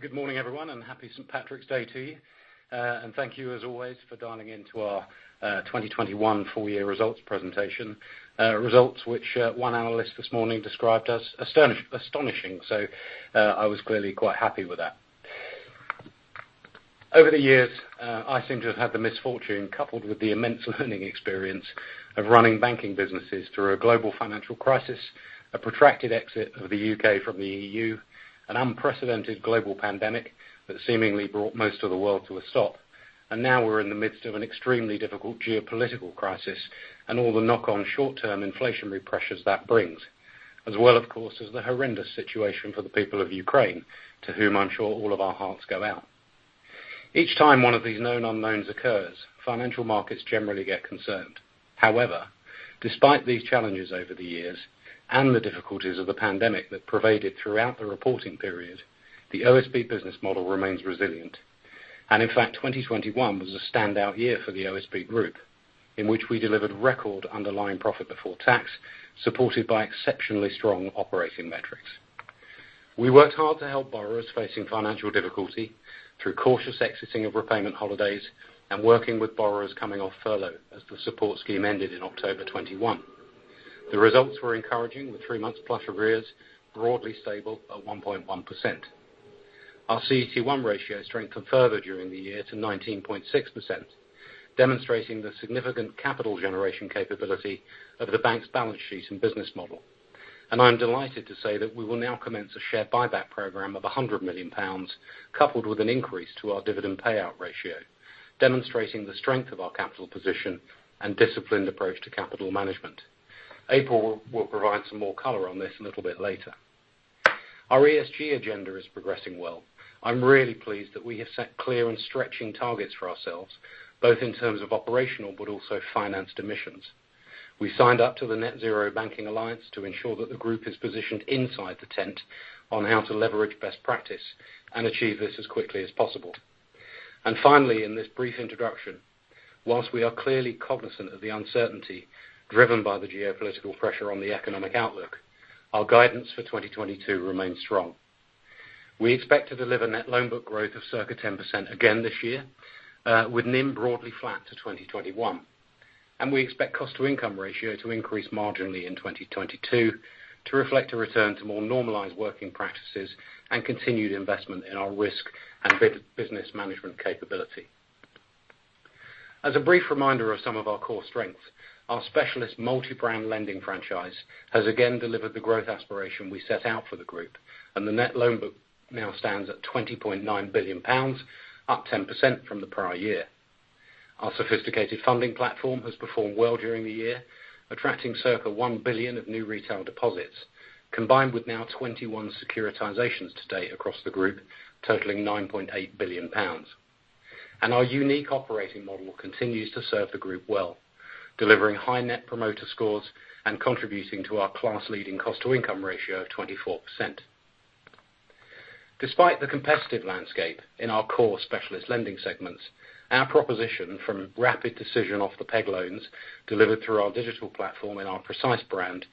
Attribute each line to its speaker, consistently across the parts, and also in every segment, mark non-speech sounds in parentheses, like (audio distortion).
Speaker 1: Good morning everyone, and happy St. Patrick's Day to you. And thank you as always for dialing into our 2021 full year results presentation. Results which one analyst this morning described as astonishing. I was clearly quite happy with that. Over the years, I seem to have had the misfortune coupled with the immense learning experience of running banking businesses through a global financial crisis, a protracted exit of the U.K. from the EU, an unprecedented global pandemic that seemingly brought most of the world to a stop. Now we're in the midst of an extremely difficult geopolitical crisis and all the knock on short-term inflationary pressures that brings, as well, of course, as the horrendous situation for the people of Ukraine, to whom I'm sure all of our hearts go out. Each time one of these known unknowns occurs, financial markets generally get concerned. However, despite these challenges over the years and the difficulties of the pandemic that pervaded throughout the reporting period, the OSB business model remains resilient. In fact, 2021 was a standout year for the OSB Group, in which we delivered record underlying profit before tax, supported by exceptionally strong operating metrics. We worked hard to help borrowers facing financial difficulty through cautious exiting of repayment holidays and working with borrowers coming off furlough as the support scheme ended in October 2021. The results were encouraging, with 3 months plus arrears broadly stable at 1.1%. Our CET1 ratio strengthened further during the year to 19.6%, demonstrating the significant capital generation capability of the bank's balance sheet and business model. I'm delighted to say that we will now commence a share buyback program of 100 million pounds, coupled with an increase to our dividend payout ratio, demonstrating the strength of our capital position and disciplined approach to capital management. April will provide some more color on this a little bit later. Our ESG agenda is progressing well. I'm really pleased that we have set clear and stretching targets for ourselves, both in terms of operational but also financed emissions. We signed up to the Net-Zero Banking Alliance to ensure that the group is positioned inside the tent on how to leverage best practice and achieve this as quickly as possible. Finally, in this brief introduction, while we are clearly cognizant of the uncertainty driven by the geopolitical pressure on the economic outlook, our guidance for 2022 remains strong. We expect to deliver net loan book growth of circa 10% again this year, with NIM broadly flat to 2021. We expect cost to income ratio to increase marginally in 2022, to reflect a return to more normalized working practices and continued investment in our risk and business management capability. As a brief reminder of some of our core strengths, our specialist multi-brand lending franchise has again delivered the growth aspiration we set out for the group. The net loan book now stands at 20.9 billion pounds, up 10% from the prior year. Our sophisticated funding platform has performed well during the year, attracting circa 1 billion of new retail deposits, combined with now 21 securitizations to date across the group, totaling 9.8 billion pounds. Our unique operating model continues to serve the group well, delivering high Net Promoter Scores and contributing to our class-leading cost-to-income ratio of 24%. Despite the competitive landscape in our core specialist lending segments, our proposition from rapid decision off-the-peg loans delivered through our digital platform in our Precise brand,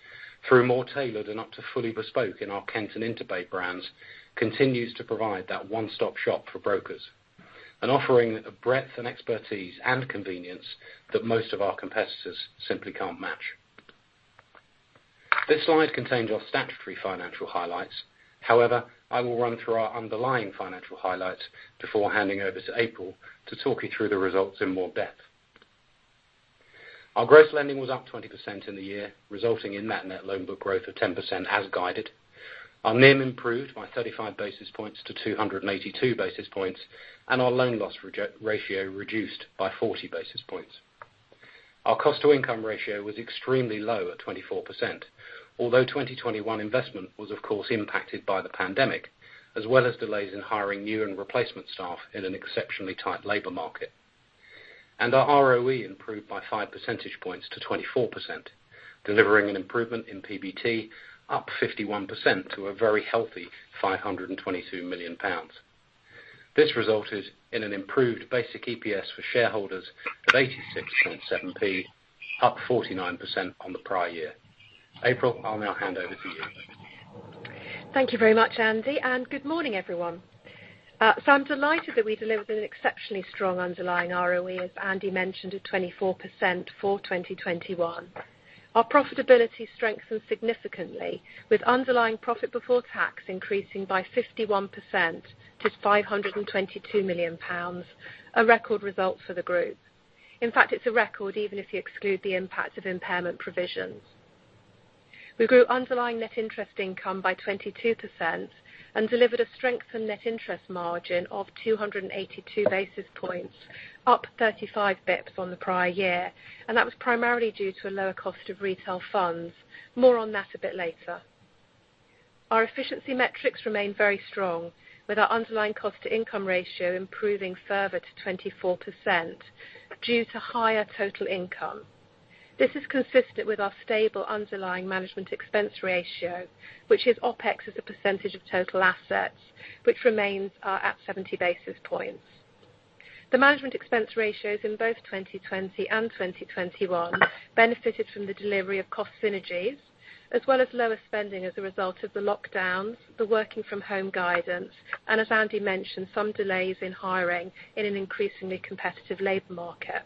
Speaker 1: through more tailored and up to fully bespoke in our Kent and InterBay brands, continues to provide that one-stop shop for brokers. An offering of breadth and expertise and convenience that most of our competitors simply can't match. This slide contains our statutory financial highlights. However, I will run through our underlying financial highlights before handing over to April to talk you through the results in more depth. Our gross lending was up 20% in the year, resulting in that net loan book growth of 10% as guided. Our NIM improved by 35 basis points to 282 basis points, and our loan loss ratio reduced by 40 basis points. Our cost to income ratio was extremely low at 24%, although 2021 investment was of course impacted by the pandemic, as well as delays in hiring new and replacement staff in an exceptionally tight labor market. Our ROE improved by 5 percentage points to 24%, delivering an improvement in PBT up 51% to a very healthy 522 million pounds. This resulted in an improved basic EPS for shareholders of 0.867, up 49% on the prior year. April, I'll now hand over to you.
Speaker 2: Thank you very much, Andy, and good morning, everyone. I'm delighted that we delivered an exceptionally strong underlying ROE, as Andy mentioned, at 24% for 2021. Our profitability strengthened significantly with underlying profit before tax increasing by 51% to 522 million pounds, a record result for the group. In fact, it's a record even if you exclude the impact of impairment provisions. We grew underlying net interest income by 22% and delivered a strengthened net interest margin of 282 basis points, up 35 bps on the prior year. That was primarily due to a lower cost of retail funds. More on that a bit later. Our efficiency metrics remain very strong, with our underlying cost to income ratio improving further to 24% due to higher total income. This is consistent with our stable underlying management expense ratio, which is OpEx as a percentage of total assets, which remains at 70 basis points. The management expense ratios in both 2020 and 2021 benefited from the delivery of cost synergies as well as lower spending as a result of the lockdowns, the working from home guidance, and as Andy mentioned, some delays in hiring in an increasingly competitive labor market.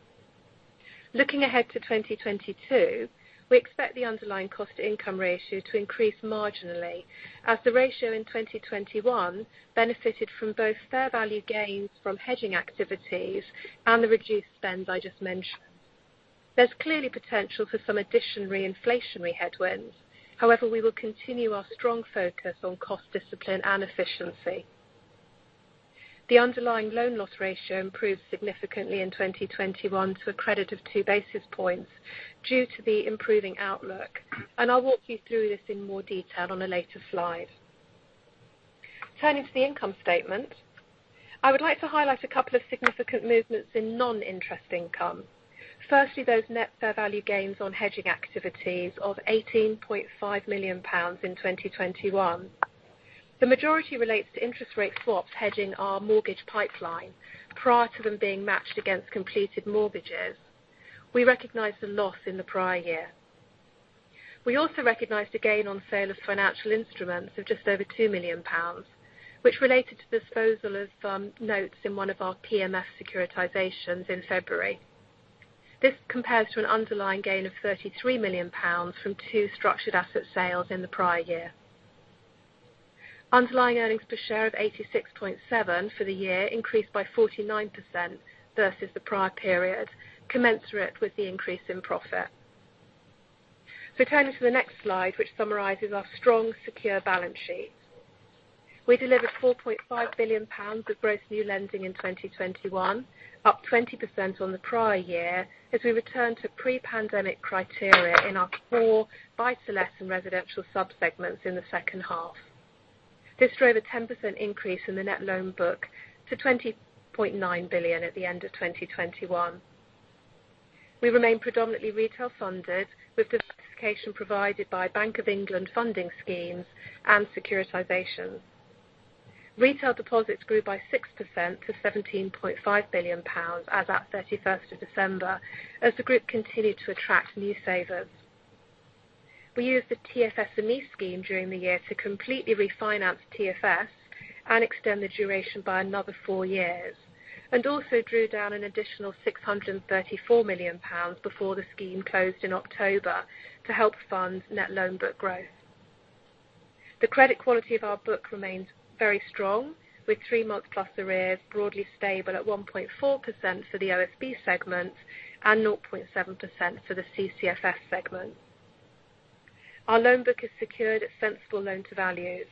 Speaker 2: Looking ahead to 2022, we expect the underlying cost to income ratio to increase marginally as the ratio in 2021 benefited from both fair value gains from hedging activities and the reduced spend I just mentioned. There's clearly potential for some additional inflationary headwinds. However, we will continue our strong focus on cost discipline and efficiency. The underlying loan loss ratio improved significantly in 2021 to a credit of 2 basis points due to the improving outlook. I'll walk you through this in more detail on a later slide. Turning to the income statement. I would like to highlight a couple of significant movements in non-interest income. Firstly, those net fair value gains on hedging activities of 18.5 million pounds in 2021. The majority relates to interest rate swaps hedging our mortgage pipeline prior to them being matched against completed mortgages. We recognized a loss in the prior year. We also recognized a gain on sale of financial instruments of just over 2 million pounds, which related to disposal of some notes in one of our PMF securitizations in February. This compares to an underlying gain of 33 million pounds from two structured asset sales in the prior year. Underlying earnings per share of 86.7 for the year increased by 49% versus the prior period, commensurate with the increase in profit. Turning to the next slide, which summarizes our strong, secure balance sheet. We delivered 4.5 billion pounds of gross new lending in 2021, up 20% on the prior year as we return to pre-pandemic criteria in our core buy-to-let and residential subsegments in the second half. This drove a 10% increase in the net loan book to 20.9 billion at the end of 2021. We remain predominantly retail funded, with diversification provided by Bank of England funding schemes and securitizations. Retail deposits grew by 6% to 17.5 billion pounds as of 31st of December as the group continued to attract new savers. We used the TFSME scheme during the year to completely refinance TFS and extend the duration by another four years, and also drew down an additional 634 million pounds before the scheme closed in October to help fund net loan book growth. The credit quality of our book remains very strong, with three-month plus arrears broadly stable at 1.4% for the OSB segment and 0.7% for the CCFS segment. Our loan book is secured at sensible loan to values.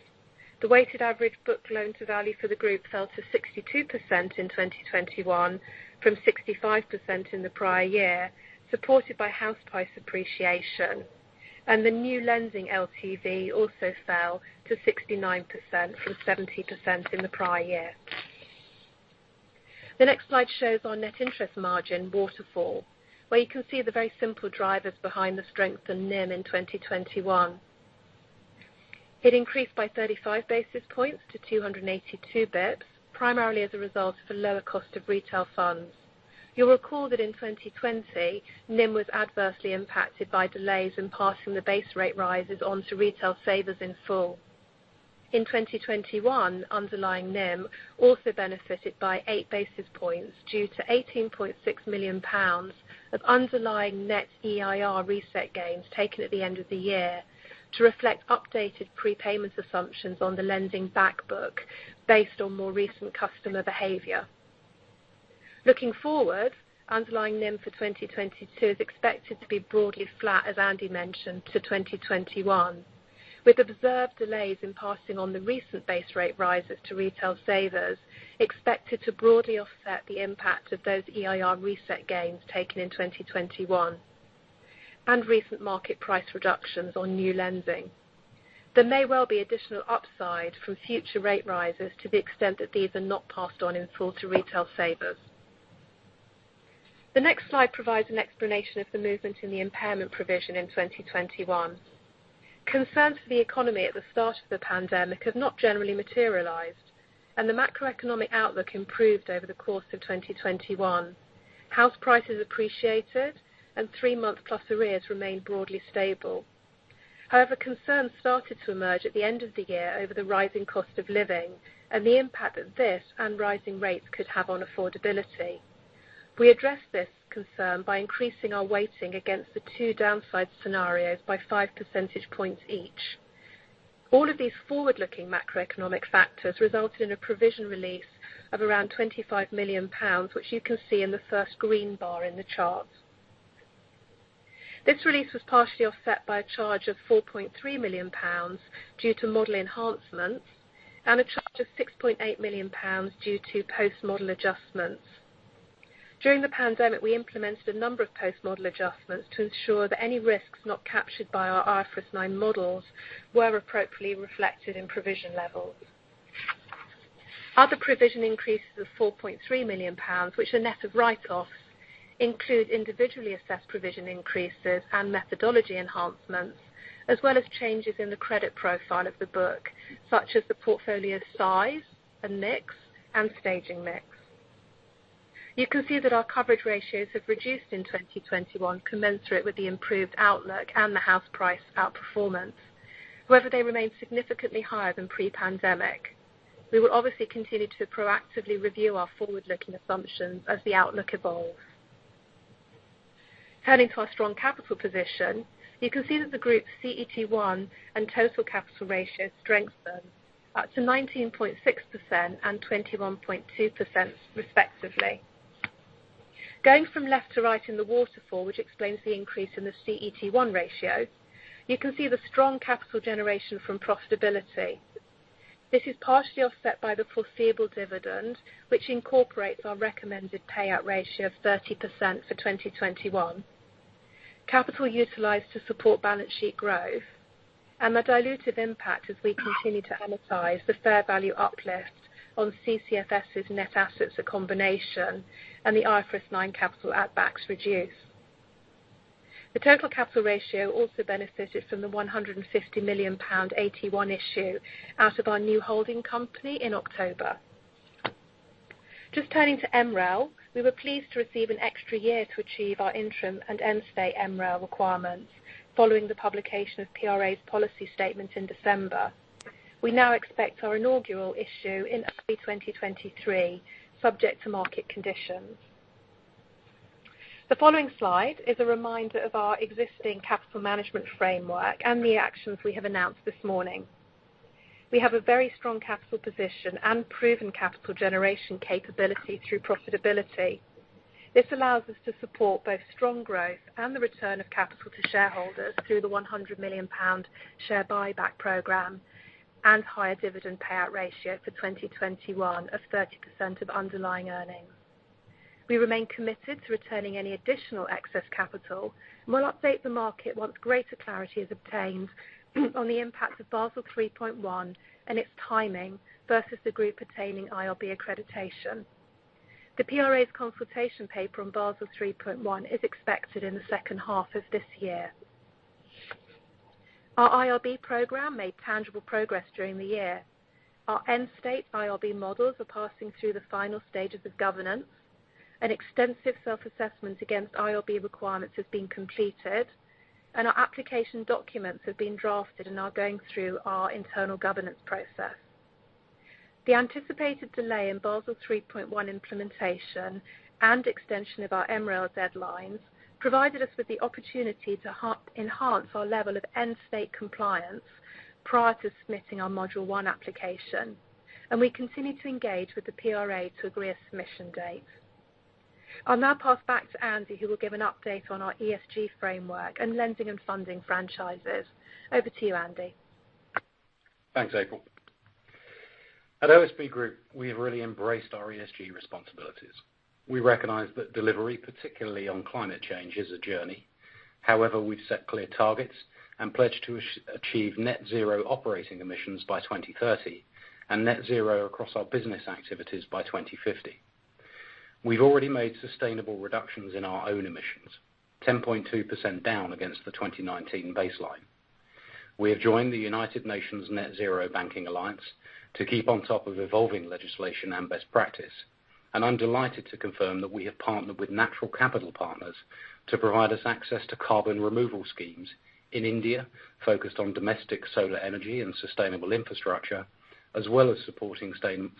Speaker 2: The weighted average book loan to value for the group fell to 62% in 2021 from 65% in the prior year, supported by house price appreciation. The new lending LTV also fell to 69% from 70% in the prior year. The next slide shows our net interest margin waterfall, where you can see the very simple drivers behind the strength in NIM in 2021. It increased by 35 basis points to 282 bp, primarily as a result of a lower cost of retail funds. You'll recall that in 2020, NIM was adversely impacted by delays in passing the base rate rises on to retail savers in full. In 2021, underlying NIM also benefited by 8 basis points due to 18.6 million pounds of underlying net EIR reset gains taken at the end of the year to reflect updated prepayment assumptions on the lending back book based on more recent customer behavior. Looking forward, underlying NIM for 2022 is expected to be broadly flat, as Andy mentioned, to 2021, with observed delays in passing on the recent base rate rises to retail savers expected to broadly offset the impact of those EIR reset gains taken in 2021 and recent market price reductions on new lending. There may well be additional upside from future rate rises to the extent that these are not passed on in full to retail savers. The next slide provides an explanation of the movement in the impairment provision in 2021. Concerns for the economy at the start of the pandemic have not generally materialized, and the macroeconomic outlook improved over the course of 2021. House prices appreciated and 3-month+ arrears remained broadly stable. However, concerns started to emerge at the end of the year over the rising cost of living and the impact that this and rising rates could have on affordability. We addressed this concern by increasing our weighting against the two downside scenarios by five percentage points each. All of these forward-looking macroeconomic factors resulted in a provision release of around 25 million pounds, which you can see in the first green bar in the chart. This release was partially offset by a charge of 4.3 million pounds due to model enhancements and a charge of 6.8 million pounds due to post-model adjustments. During the pandemic, we implemented a number of post-model adjustments to ensure that any risks not captured by our IFRS 9 models were appropriately reflected in provision levels. Other provision increases of 4.3 million pounds, which are net of write-offs include individually assessed provision increases and methodology enhancements, as well as changes in the credit profile of the book, such as the portfolio size and mix and staging mix. You can see that our coverage ratios have reduced in 2021 commensurate with the improved outlook and the house price outperformance. However, they remain significantly higher than pre-pandemic. We will obviously continue to proactively review our forward-looking assumptions as the outlook evolves. Turning to our strong capital position, you can see that the group CET1 and total capital ratio strengthened up to 19.6% and 21.2% respectively. Going from left to right in the waterfall, which explains the increase in the CET1 ratio, you can see the strong capital generation from profitability. This is partially offset by the foreseeable dividend, which incorporates our recommended payout ratio of 30% for 2021. Capital utilized to support balance sheet growth and the dilutive impact as we continue to amortize the fair value uplift on CCFS's net assets, a combination and the IFRS 9 capital add backs reduce the total capital ratio also benefited from the 150 million pound AT1 issue out of our new holding company in October. Just turning to MREL, we were pleased to receive an extra year to achieve our interim and end state MREL requirements following the publication of PRA's policy statement in December. We now expect our inaugural issue in early 2023 subject to market conditions. The following slide is a reminder of our existing capital management framework and the actions we have announced this morning. We have a very strong capital position and proven capital generation capability through profitability. This allows us to support both strong growth and the return of capital to shareholders through the 100 million pound share buyback program and higher dividend payout ratio for 2021 of 30% of underlying earnings. We remain committed to returning any additional excess capital. We'll update the market once greater clarity is obtained on the impact of Basel 3.1 and its timing versus the group attaining IRB accreditation. The PRA's consultation paper on Basel 3.1 is expected in the second half of this year. Our IRB program made tangible progress during the year. Our end state IRB models are passing through the final stages of governance. An extensive self-assessment against IRB requirements has been completed, and our application documents have been drafted and are going through our internal governance process. The anticipated delay in Basel 3.1 implementation and extension of our MREL deadlines provided us with the opportunity to enhance our level of end state compliance prior to submitting our module one application. We continue to engage with the PRA to agree a submission date. I'll now pass back to Andy, who will give an update on our ESG framework and lending and funding franchises. Over to you, Andy.
Speaker 1: Thanks, April. At OSB Group, we have really embraced our ESG responsibilities. We recognize that delivery, particularly on climate change, is a journey. However, we've set clear targets and pledged to achieve net zero operating emissions by 2030 and net zero across our business activities by 2050. We've already made sustainable reductions in our own emissions, 10.2% down against the 2019 baseline. We have joined the United Nations Net-Zero Banking Alliance to keep on top of evolving legislation and best practice. I'm delighted to confirm that we have partnered with Natural Capital Partners to provide us access to carbon removal schemes in India, focused on domestic solar energy and sustainable infrastructure, as well as supporting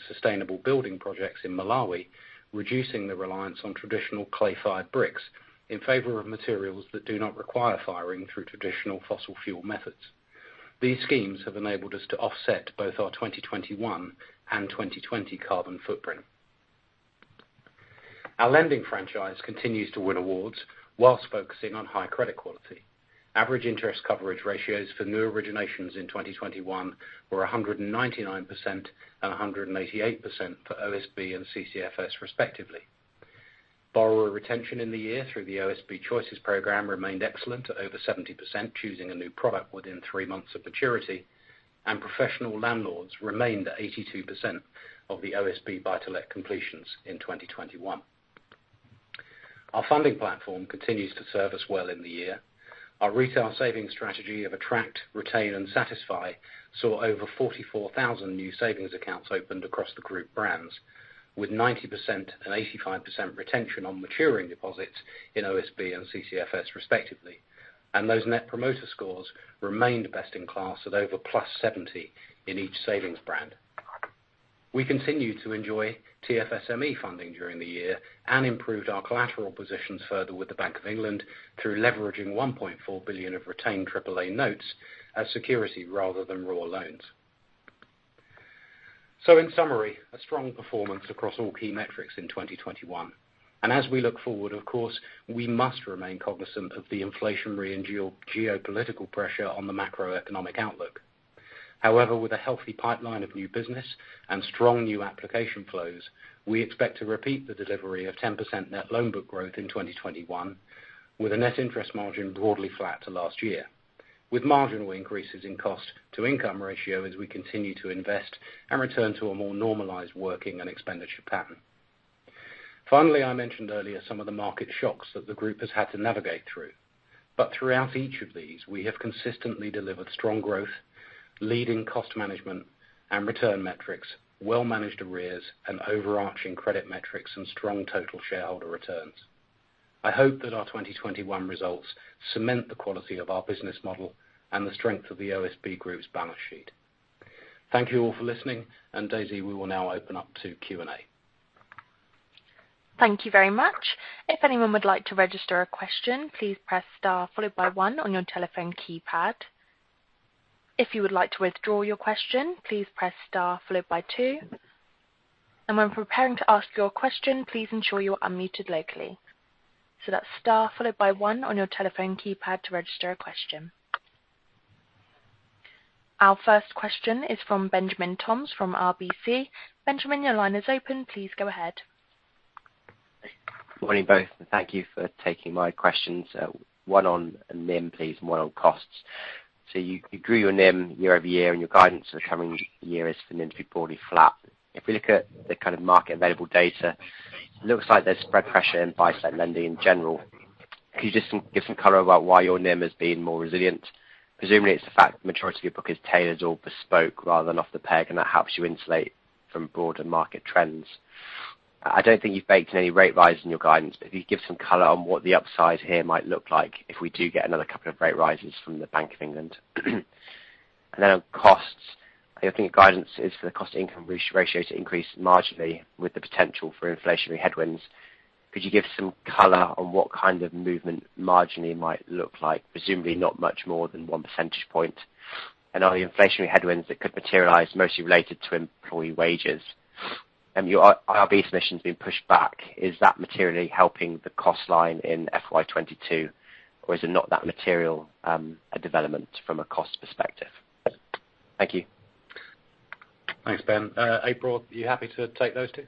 Speaker 1: sustainable building projects in Malawi, reducing the reliance on traditional clay-fired bricks in favor of materials that do not require firing through traditional fossil fuel methods. These schemes have enabled us to offset both our 2021 and 2020 carbon footprint. Our lending franchise continues to win awards while focusing on high credit quality. Average interest coverage ratios for new originations in 2021 were 199% and 188% for OSB and CCFS respectively. Borrower retention in the year through the OSB Choices program remained excellent at over 70%, choosing a new product within three months of maturity, and professional landlords remained at 82% of the OSB buy-to-let completions in 2021. Our funding platform continues to serve us well in the year. Our retail savings strategy of attract, retain and satisfy saw over 44,000 new savings accounts opened across the group brands, with 90% and 85% retention on maturing deposits in OSB and CCFS respectively. Those Net Promoter Scores remained best in class at over +70 in each savings brand. We continued to enjoy TFSME funding during the year and improved our collateral positions further with the Bank of England through leveraging 1.4 billion of retained AAA notes as security rather than raw loans. In summary, a strong performance across all key metrics in 2021. As we look forward, of course, we must remain cognizant of the inflationary and geopolitical pressure on the macroeconomic outlook. However, with a healthy pipeline of new business and strong new application flows, we expect to repeat the delivery of 10% net loan book growth in 2021, with a net interest margin broadly flat to last year. With marginal increases in cost to income ratio as we continue to invest and return to a more normalized working and expenditure pattern. Finally, I mentioned earlier some of the market shocks that the group has had to navigate through. Throughout each of these, we have consistently delivered strong growth, leading cost management and return metrics, well-managed arrears and overarching credit metrics, and strong total shareholder returns. I hope that our 2021 results cement the quality of our business model and the strength of the OSB Group's balance sheet. Thank you all for listening. Daisy, we will now open up to Q&A.
Speaker 3: Thank you very much. If anyone would like to register a question, please press star followed by one on your telephone keypad. If you would like to withdraw your question, please press star followed by two. When preparing to ask your question, please ensure you are unmuted locally. That's star followed by one on your telephone keypad to register a question. Our first question is from Benjamin Toms from RBC. Benjamin, your line is open. Please go ahead.
Speaker 4: Morning, both, and thank you for taking my questions. One on NIM, please, and one on costs. You grew your NIM year-over-year, and your guidance for the coming year is for NIM to be broadly flat. If we look at the kind of market available data, it looks like there's spread pressure in buy-to-let lending in general. Can you just give some color about why your NIM has been more resilient? Presumably, it's the fact the majority of your book is tailored or bespoke rather than off the peg, and that helps you insulate from broader market trends. I don't think you've baked any rate rise in your guidance. Could you give some color on what the upside here might look like if we do get another couple of rate rises from the Bank of England? Then on costs, I think guidance is for the cost income ratio to increase marginally with the potential for inflationary headwinds. Could you give some color on what kind of movement marginally might look like? Presumably, not much more than one percentage point. Are the inflationary headwinds that could materialize mostly related to employee wages? Your IRB submission has been pushed back. Is that materially helping the cost line in FY 2022, or is it not that material, a development from a cost perspective? Thank you.
Speaker 1: Thanks, Ben. April, are you happy to take those two?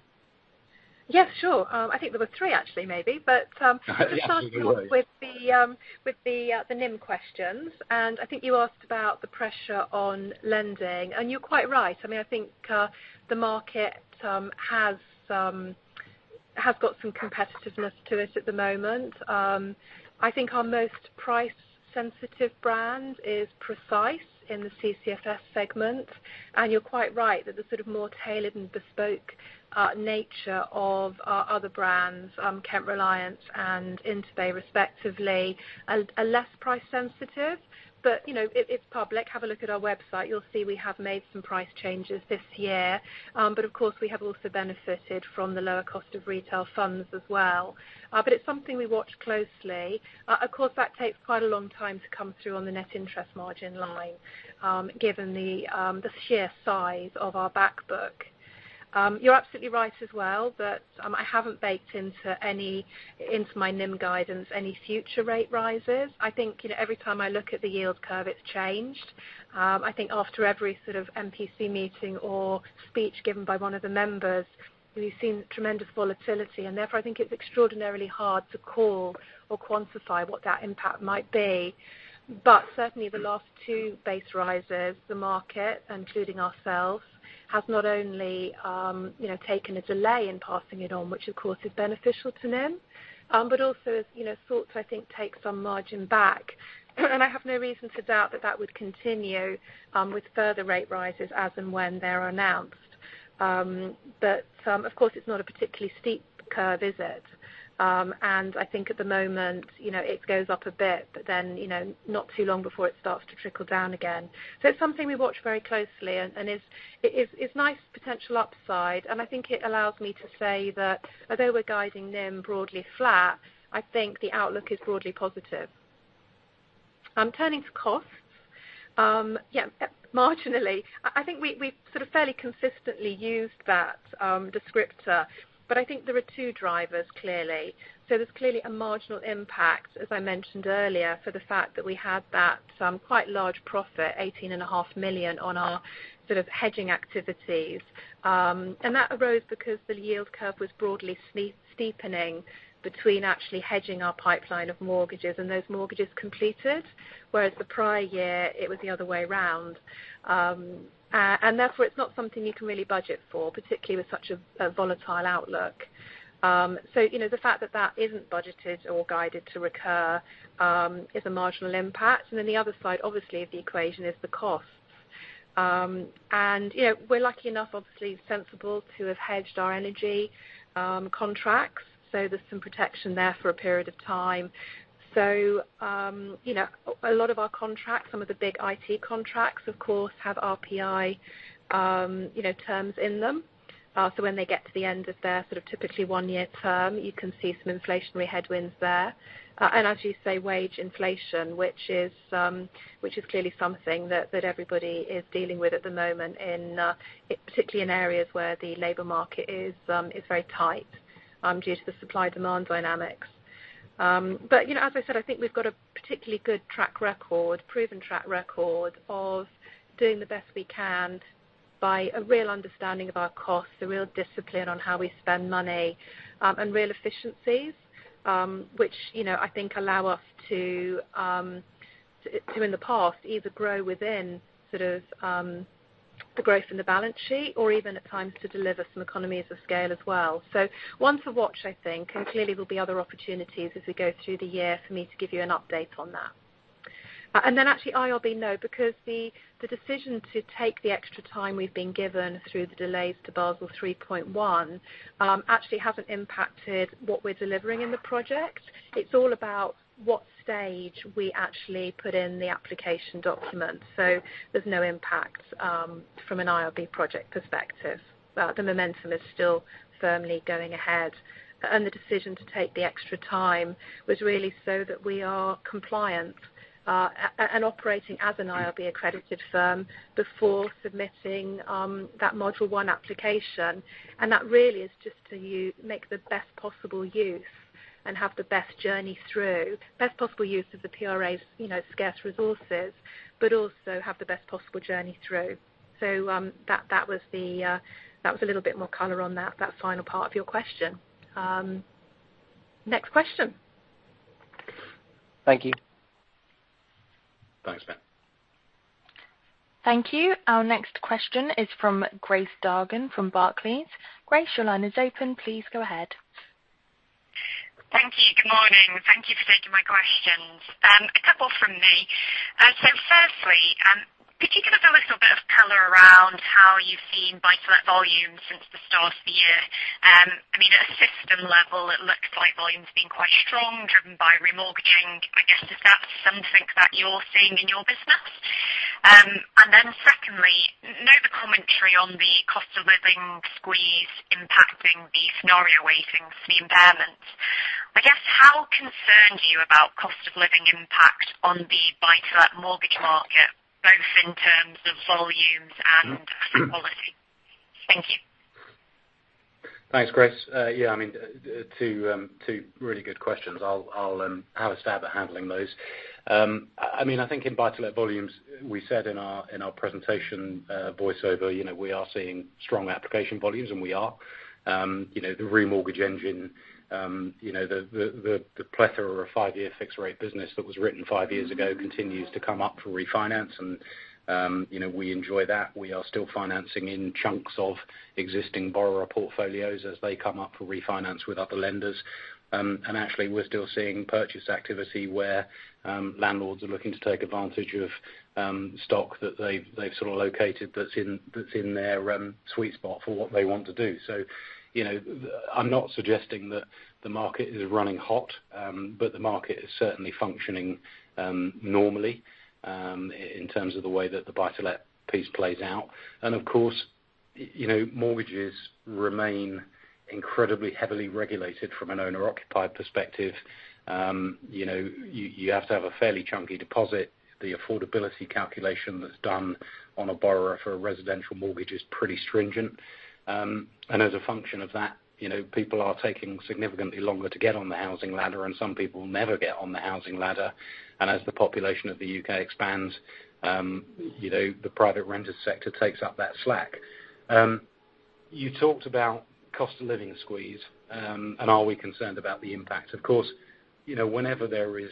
Speaker 2: Yes, sure. I think there were three actually, maybe.
Speaker 1: Absolutely.
Speaker 2: Let's start with the NIM questions. I think you asked about the pressure on lending, and you're quite right. I mean, I think the market has got some competitiveness to it at the moment. I think our most price sensitive brand is Precise in the CCFS segment. You're quite right that the sort of more tailored and bespoke nature of our other brands, Kent Reliance and InterBay respectively are less price sensitive. But you know, it's public. Have a look at our website. You'll see we have made some price changes this year. But of course we have also benefited from the lower cost of retail funds as well. But it's something we watch closely. Of course that takes quite a long time to come through on the net interest margin line, given the sheer size of our back book. You're absolutely right as well that I haven't baked into my NIM guidance any future rate rises. I think, you know, every time I look at the yield curve, it's changed. I think after every sort of MPC meeting or speech given by one of the members, we've seen tremendous volatility, and therefore I think it's extraordinarily hard to call or quantify what that impact might be. Certainly the last two base rate rises, the market, including ourselves, has not only, you know, taken a delay in passing it on, which of course is beneficial to NIM, but also, as you know, though it's taken some margin back. I have no reason to doubt that that would continue with further rate rises as and when they're announced. But of course it's not a particularly steep curve, is it? I think at the moment, you know, it goes up a bit, but then, you know, not too long before it starts to trickle down again. It's something we watch very closely and it is, it's nice potential upside, and I think it allows me to say that although we're guiding NIM broadly flat, I think the outlook is broadly positive. Turning to costs. Marginally, I think we sort of fairly consistently used that descriptor, but I think there are two drivers clearly. There's clearly a marginal impact, as I mentioned earlier, for the fact that we had that, quite large profit, 18.5 million, on our sort of hedging activities. That arose because the yield curve was broadly steepening between actually hedging our pipeline of mortgages and those mortgages completed, whereas the prior year it was the other way around. Therefore it's not something you can really budget for, particularly with such a volatile outlook. You know, the fact that that isn't budgeted or guided to recur is a marginal impact. Then the other side, obviously of the equation is the costs. You know, we're lucky enough, obviously sensible to have hedged our energy contracts, so there's some protection there for a period of time. You know, a lot of our contracts, some of the big IT contracts, of course have RPI terms in them. As you say, wage inflation, which is clearly something that everybody is dealing with at the moment in particularly in areas where the labor market is very tight due to the supply demand dynamics. You know, as I said, I think we've got a particularly good track record, proven track record of doing the best we can by a real understanding of our costs, a real discipline on how we spend money, and real efficiencies, which, you know, I think allow us to, in the past, either grow within sort of, the growth in the balance sheet or even at times to deliver some economies of scale as well. One to watch, I think, and clearly there'll be other opportunities as we go through the year for me to give you an update on that. Then actually IRB, no, because the decision to take the extra time we've been given through the delays to Basel 3.1, actually hasn't impacted what we're delivering in the project. It's all about what stage we actually put in the application document. There's no impact from an IRB project perspective. The momentum is still firmly going ahead. The decision to take the extra time was really so that we are compliant and operating as an IRB accredited firm before submitting that module one application. That really is just to make the best possible use and have the best journey through. Best possible use of the PRA's, you know, scarce resources, but also have the best journey through. That was a little bit more color on that final part of your question. Next question.
Speaker 4: Thank you.
Speaker 1: Thanks, Ben.
Speaker 3: Thank you. Our next question is from Grace Dargan from Barclays. Grace, your line is open. Please go ahead.
Speaker 5: Thank you. Good morning. Thank you for taking my questions. A couple from me. Firstly, could you give a little bit of color around how you've seen buy-to-let volumes since the start of the year? I mean, at a system level it looks like volumes have been quite strong, driven by remortgaging. I guess, is that something that you're seeing in your business? Secondly, note the commentary on the cost of living squeeze impacting the scenario weightings, the impairments. I guess, how concerned are you about cost of living impact on the buy-to-let mortgage market, both in terms of volumes and asset quality? Thank you.
Speaker 1: Thanks, Grace. Yeah, I mean, two really good questions. I'll have a stab at handling those. I mean, I think in buy-to-let volumes, we said in our presentation voiceover, you know, we are seeing strong application volumes, and we are. You know, the remortgage engine, you know, the plethora of five-year fixed rate business that was written five years ago continues to come up for refinance and, you know, we enjoy that. We are still financing in chunks of existing borrower portfolios as they come up for refinance with other lenders. Actually, we're still seeing purchase activity where landlords are looking to take advantage of stock that they've sort of located that's in their sweet spot for what they want to do. You know, I'm not suggesting that the market is running hot, but the market is certainly functioning normally in terms of the way that the buy-to-let piece plays out. Of course, you know, mortgages remain incredibly heavily regulated from an owner-occupied perspective. You know, you have to have a fairly chunky deposit. The affordability calculation that's done on a borrower for a residential mortgage is pretty stringent. As a function of that, you know, people are taking significantly longer to get on the housing ladder, and some people never get on the housing ladder. As the population of the U.K. expands, you know, the private rented sector takes up that slack. You talked about cost of living squeeze, and are we concerned about the impact? Of course, you know, whenever there is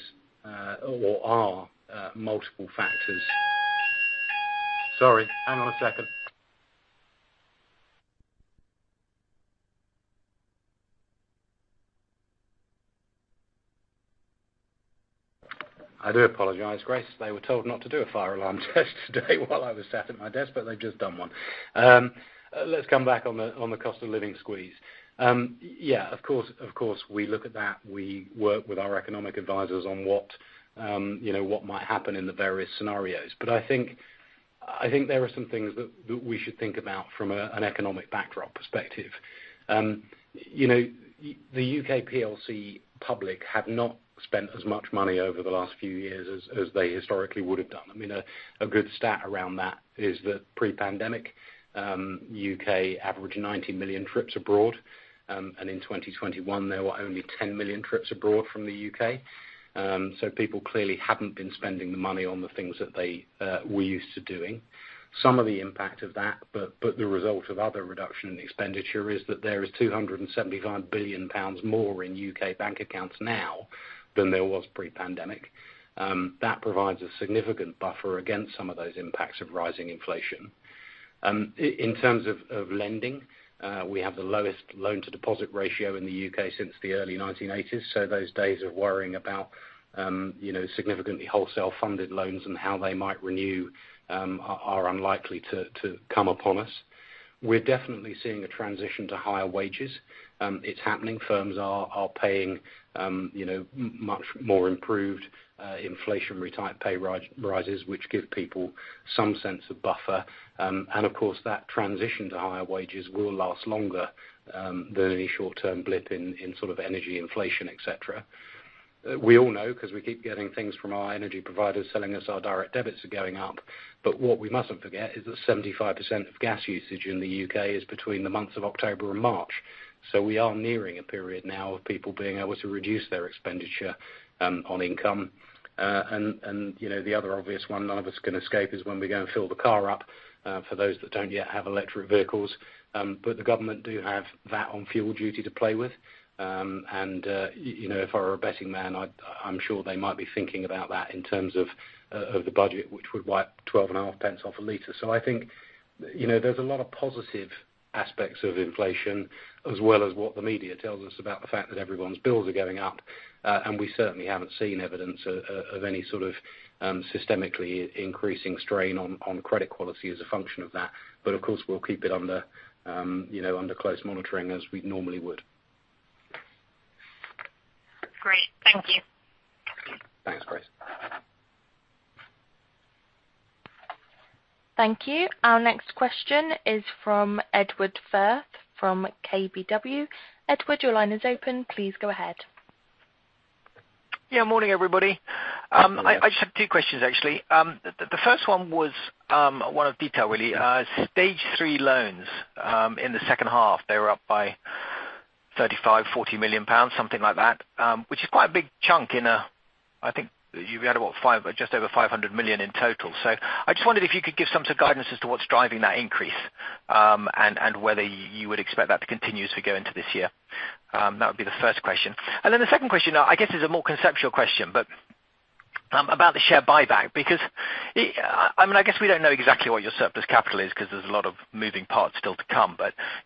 Speaker 1: or are multiple factors. Sorry, hang on a second. I do apologize, Grace. They were told not to do a fire alarm test today while I was sat at my desk, but they've just done one. Let's come back on the cost of living squeeze. Yeah, of course, we look at that. We work with our economic advisors on what, you know, what might happen in the various scenarios. I think there are some things that we should think about from an economic backdrop perspective. You know, the U.K. PLC public have not spent as much money over the last few years as they historically would have done. I mean, a good stat around that is that pre-pandemic, U.K. averaged 90 million trips abroad. In 2021, there were only 10 million trips abroad from the U.K. People clearly haven't been spending the money on the things that they were used to doing. Some of the impact of that, but the result of other reduction in expenditure is that there is 275 billion pounds more in U.K. bank accounts now than there was pre-pandemic. That provides a significant buffer against some of those impacts of rising inflation. In terms of lending, we have the lowest loan to deposit ratio in the U.K. since the early 1980s. Those days of worrying about, you know, significantly wholesale funded loans and how they might renew are unlikely to come upon us. We're definitely seeing a transition to higher wages. It's happening. Firms are paying, you know, much more improved inflationary type pay rises, which give people some sense of buffer. Of course, that transition to higher wages will last longer than any short-term blip in sort of energy inflation, et cetera. We all know because we keep getting things from our energy providers telling us our direct debits are going up. What we mustn't forget is that 75% of gas usage in the U.K. is between the months of October and March. We are nearing a period now of people being able to reduce their expenditure on energy. You know, the other obvious one none of us can escape is when we go and fill the car up for those that don't yet have electric vehicles. The government do have VAT on fuel duty to play with. You know, if I were a betting man, I'm sure they might be thinking about that in terms of the budget, which would wipe 0.125 off a liter. I think, you know, there's a lot of positive aspects of inflation as well as what the media tells us about the fact that everyone's bills are going up. We certainly haven't seen evidence of any sort of systemically increasing strain on credit quality as a function of that. Of course, we'll keep it under, you know, under close monitoring as we normally would.
Speaker 5: Great. Thank you.
Speaker 1: Thanks, Grace.
Speaker 3: Thank you. Our next question is from Edward Firth from KBW. Edward, your line is open. Please go ahead.
Speaker 6: Yeah, morning, everybody.
Speaker 1: (audio distortion)
Speaker 6: I just have two questions, actually. The first one was one of detail really. Stage three loans in the second half, they were up by 35 million-40 million pounds, something like that, which is quite a big chunk in, I think you had about 500, just over 500 million in total. I just wondered if you could give some sort of guidance as to what's driving that increase, and whether you would expect that to continue as we go into this year. That would be the first question. The second question, I guess, is a more conceptual question, but about the share buyback, because I mean, I guess we don't know exactly what your surplus capital is because there's a lot of moving parts still to come.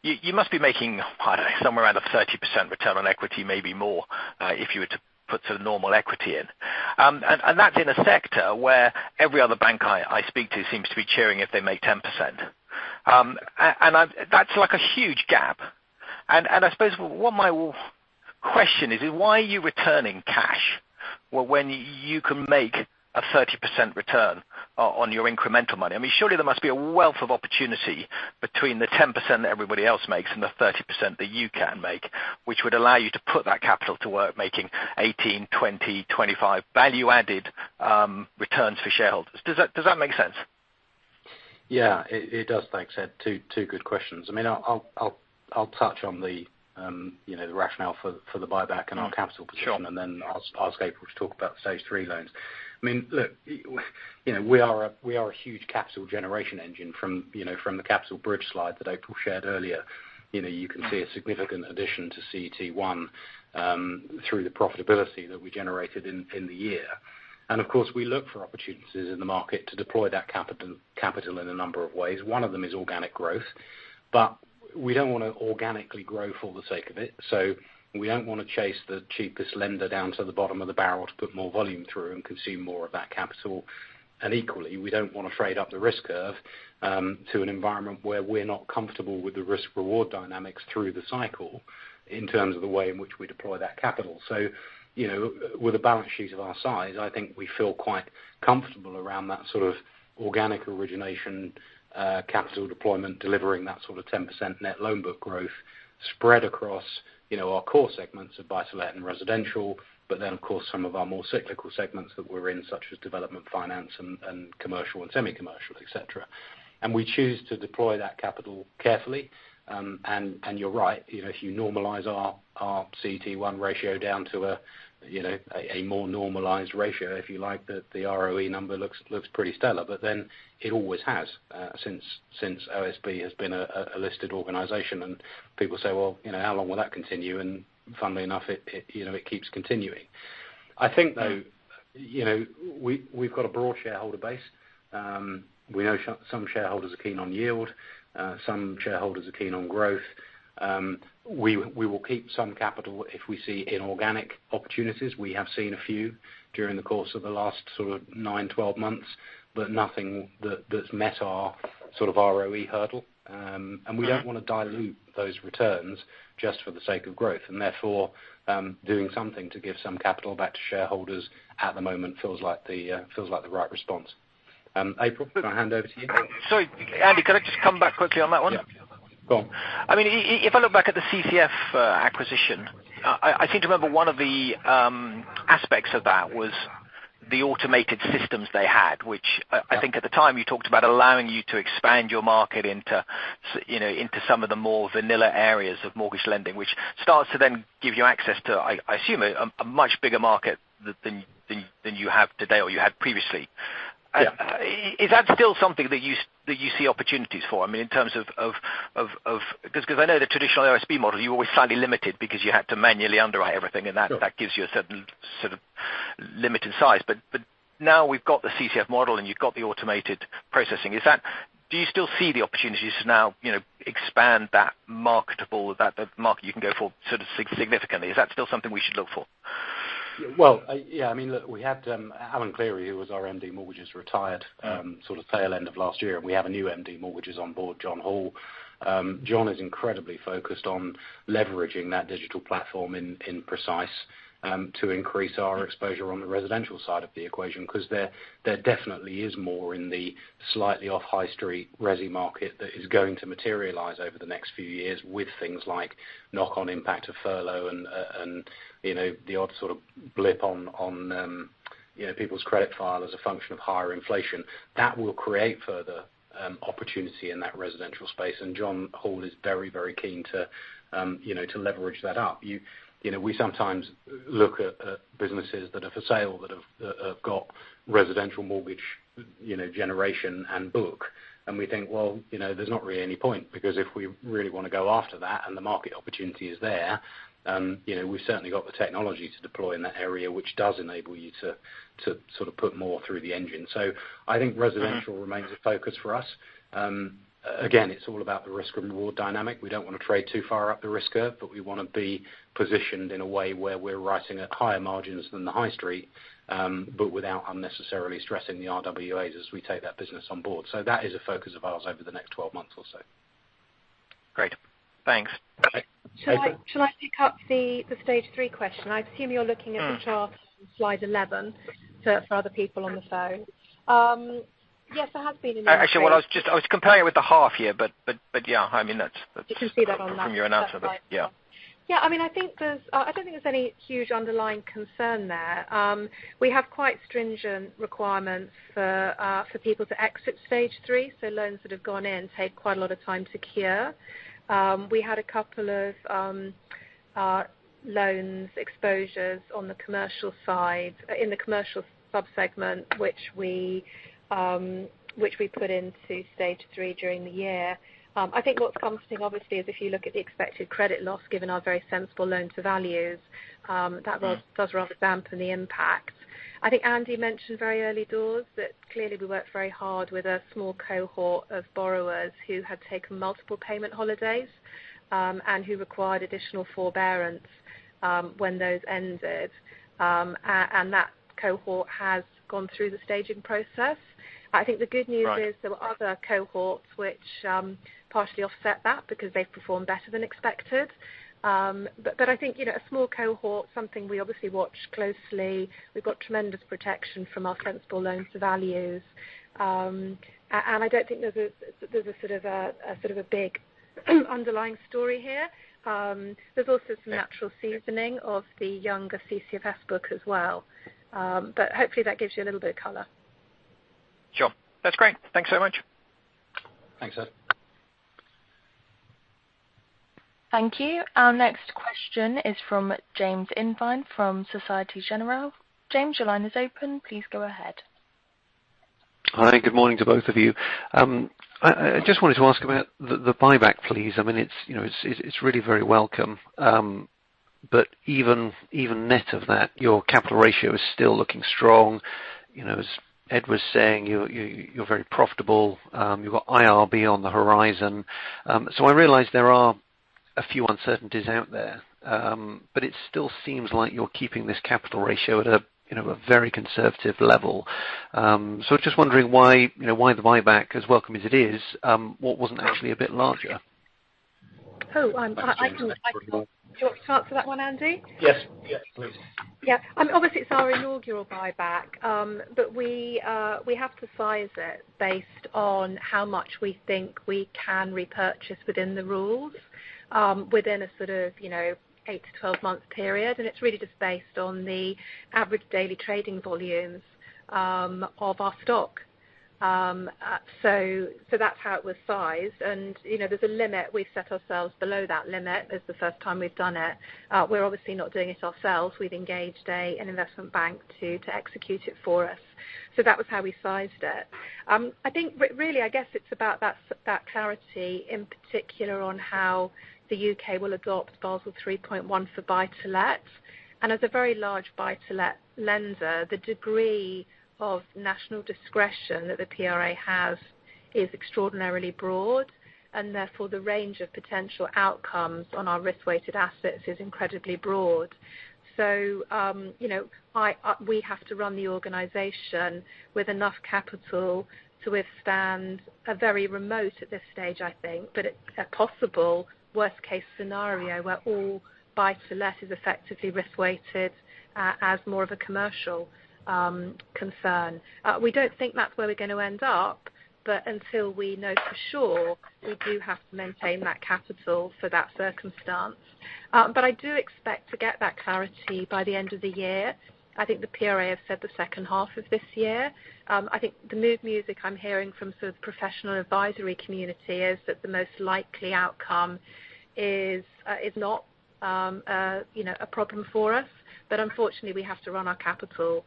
Speaker 6: You must be making, I don't know, somewhere around a 30% return on equity, maybe more, if you were to put sort of normal equity in. That's in a sector where every other bank I speak to seems to be cheering if they make 10%. That's like a huge gap. I suppose what my question is, why are you returning cash when you can make a 30% return on your incremental money? I mean, surely there must be a wealth of opportunity between the 10% that everybody else makes and the 30% that you can make, which would allow you to put that capital to work making 18, 20, 25 value-added returns for shareholders. Does that make sense?
Speaker 1: Yeah, it does, thanks, Ed. Two good questions. I mean, I'll touch on, you know, the rationale for the buyback and our capital position.
Speaker 6: Sure.
Speaker 1: I'll ask April to talk about stage three loans. I mean, look, you know, we are a huge capital generation engine. From the capital bridge slide that April shared earlier, you know, you can see a significant addition to CET1 through the profitability that we generated in the year. Of course, we look for opportunities in the market to deploy that capital in a number of ways. One of them is organic growth. We don't want to organically grow for the sake of it. We don't want to chase the cheapest lender down to the bottom of the barrel to put more volume through and consume more of that capital. Equally, we don't want to trade up the risk curve to an environment where we're not comfortable with the risk reward dynamics through the cycle in terms of the way in which we deploy that capital. You know, with a balance sheet of our size, I think we feel quite comfortable around that sort of organic origination capital deployment, delivering that sort of 10% net loan book growth spread across, you know, our core segments of buy-to-let and residential. Of course, some of our more cyclical segments that we're in, such as development finance and commercial and semi commercial, et cetera. We choose to deploy that capital carefully. You're right, you know, if you normalize our CET1 ratio down to a more normalized ratio, if you like, the ROE number looks pretty stellar. It always has since OSB has been a listed organization. People say, "Well, you know, how long will that continue?" Funnily enough, it keeps continuing. I think, though, you know, we've got a broad shareholder base. We know some shareholders are keen on yield. Some shareholders are keen on growth. We will keep some capital if we see inorganic opportunities. We have seen a few during the course of the last sort of 9-12 months, but nothing that's met our sort of ROE hurdle. We don't want to dilute those returns just for the sake of growth. Therefore, doing something to give some capital back to shareholders at the moment feels like the right response. April, can I hand over to you?
Speaker 6: Sorry, Andy, can I just come back quickly on that one?
Speaker 1: Yeah. Go on.
Speaker 6: I mean, if I look back at the CCF acquisition, I seem to remember one of the aspects of that was the automated systems they had, which I think at the time you talked about allowing you to expand your market into you know, into some of the more vanilla areas of mortgage lending, which starts to then give you access to, I assume, a much bigger market than you have today or you had previously.
Speaker 1: Yeah.
Speaker 6: Is that still something that you see opportunities for? I mean, in terms of of. Because I know the traditional OSB model, you're always slightly limited because you had to manually underwrite everything.
Speaker 1: Sure.
Speaker 6: that gives you a certain sort of limited size. now we've got the CCF model, and you've got the automated processing. Do you still see the opportunities to now, you know, expand that marketable, that market you can go for sort of significantly? Is that still something we should look for?
Speaker 1: Well, yeah, I mean, look, we had Alan Cleary, who was our MD Mortgages, retired, sort of tail end of last year. We have a new MD Mortgages on board, Jon Hall. John is incredibly focused on leveraging that digital platform in Precise to increase our exposure on the residential side of the equation, because there definitely is more in the slightly off high street resi market that is going to materialize over the next few years with things like knock on impact of furlough and you know, the odd sort of blip on you know, people's credit file as a function of higher inflation, that will create further opportunity in that residential space. Jon Hall is very keen to you know, to leverage that up. You know, we sometimes look at businesses that are for sale that have got residential mortgage, you know, generation and book. We think, well, you know, there's not really any point because if we really want to go after that and the market opportunity is there, you know, we've certainly got the technology to deploy in that area, which does enable you to sort of put more through the engine. I think residential remains a focus for us. Again, it's all about the risk and reward dynamic. We don't want to trade too far up the risk curve, but we want to be positioned in a way where we're writing at higher margins than the high street, but without unnecessarily stressing the RWAs as we take that business on board. That is a focus of ours over the next 12 months or so.
Speaker 6: Great. Thanks.
Speaker 1: Okay.
Speaker 2: Shall I pick up the Stage 3 question? I assume you're looking at the chart on slide 11 for other people on the phone. Yes, there have been
Speaker 6: Actually, well, I was comparing it with the half year, but yeah, I mean, that's from your announcement. Yeah.
Speaker 2: Yeah. I mean, I don't think there's any huge underlying concern there. We have quite stringent requirements for people to exit Stage 3. Loans that have gone in take quite a lot of time to cure. We had a couple of loans, exposures on the commercial side, in the commercial sub-segment, which we put into Stage 3 during the year. I think what's comforting obviously is if you look at the expected credit loss given our very sensible loan to values, that does rather dampen the impact. I think Andy mentioned very early doors that clearly we worked very hard with a small cohort of borrowers who had taken multiple payment holidays, and who required additional forbearance, when those ended. That cohort has gone through the staging process. I think the good news is there were other cohorts which partially offset that because they performed better than expected. I think, you know, a small cohort, something we obviously watch closely. We've got tremendous protection from our principal loans to values. I don't think there's a sort of a big underlying story here. There's also some natural seasoning of the younger CCFS book as well. Hopefully that gives you a little bit of color.
Speaker 6: Sure. That's great. Thanks so much.
Speaker 1: Thanks, Ed.
Speaker 3: Thank you. Our next question is from James Invine from Société Générale. James, your line is open. Please go ahead.
Speaker 7: Hi, good morning to both of you. I just wanted to ask about the buyback, please. I mean, you know, it's really very welcome. Even net of that, your capital ratio is still looking strong. You know, as Ed was saying, you're very profitable. You've got IRB on the horizon. I realize there are a few uncertainties out there. It still seems like you're keeping this capital ratio at a you know very conservative level. Just wondering why, you know, why the buyback, as welcome as it is, wasn't actually a bit larger?
Speaker 2: Do you want to answer that one, Andy?
Speaker 1: Yes. Yes, please.
Speaker 2: Yeah. I mean, obviously it's our inaugural buyback, but we have to size it based on how much we think we can repurchase within the rules, within a sort of, you know, 8-12 month period. It's really just based on the average daily trading volumes of our stock. So that's how it was sized. You know, there's a limit. We've set ourselves below that limit. It's the first time we've done it. We're obviously not doing it ourselves. We've engaged an investment bank to execute it for us. That was how we sized it. I think really, I guess it's about that clarity in particular on how the U.K. will adopt Basel 3.1 for buy-to-let. As a very large buy-to-let lender, the degree of national discretion that the PRA has is extraordinarily broad, and therefore the range of potential outcomes on our risk-weighted assets is incredibly broad. You know, we have to run the organization with enough capital to withstand a very remote at this stage, I think, but a possible worst case scenario where all buy-to-let is effectively risk-weighted as more of a commercial concern. We don't think that's where we're going to end up, but until we know for sure, we do have to maintain that capital for that circumstance. I do expect to get that clarity by the end of the year. I think the PRA have said the second half of this year. I think the mood music I'm hearing from sort of professional advisory community is that the most likely outcome is not, you know, a problem for us. Unfortunately, we have to run our capital,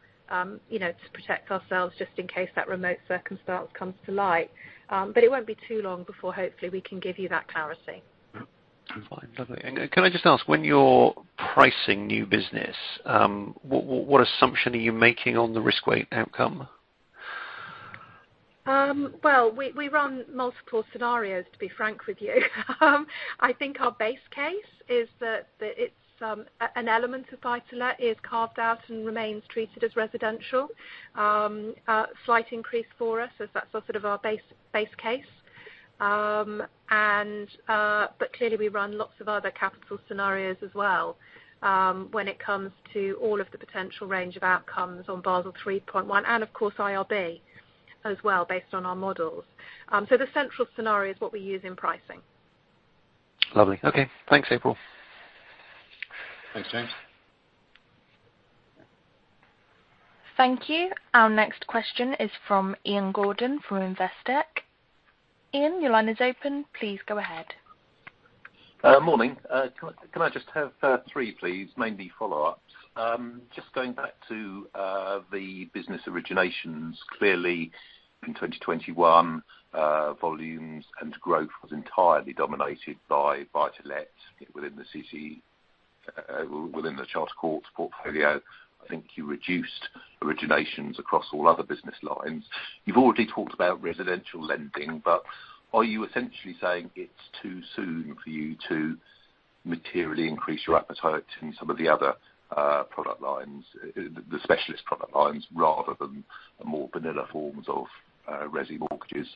Speaker 2: you know, to protect ourselves just in case that remote circumstance comes to light. It won't be too long before hopefully we can give you that clarity.
Speaker 7: Fine. Lovely. Can I just ask, when you're pricing new business, what assumption are you making on the risk weight outcome?
Speaker 2: Well, we run multiple scenarios, to be frank with you. I think our base case is that it's an element of buy-to-let is carved out and remains treated as residential. A slight increase for us as that's sort of our base case. But clearly we run lots of other capital scenarios as well, when it comes to all of the potential range of outcomes on Basel 3.1, and of course, IRB as well, based on our models. The central scenario is what we use in pricing. Lovely. Okay. Thanks April.
Speaker 1: Thanks James.
Speaker 3: Thank you. Our next question is from Ian Gordon for Investec. Ian, your line is open. Please go ahead.
Speaker 8: Morning. Can I just have three please? Mainly follow-ups. Just going back to the business originations. Clearly in 2021, volumes and growth was entirely dominated by buy-to-let within the city, within the Charter Court portfolio. I think you reduced originations across all other business lines. You've already talked about residential lending, but are you essentially saying it's too soon for you to materially increase your appetite in some of the other product lines, the specialist product lines, rather than the more vanilla forms of resi mortgages?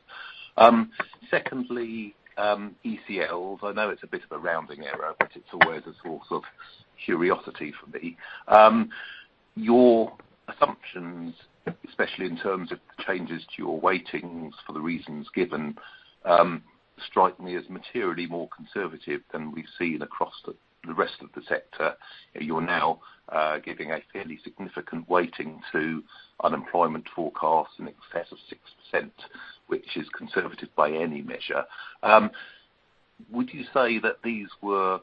Speaker 8: Secondly, ECLs. I know it's a bit of a rounding error, but it's always a source of curiosity for me. Your assumptions, especially in terms of changes to your weightings for the reasons given, strike me as materially more conservative than we've seen across the rest of the sector. You're now giving a fairly significant weighting to unemployment forecasts in excess of 6%, which is conservative by any measure. Would you say that these were